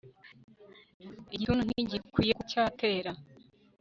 igituntu ntigikwiye kuba cyatera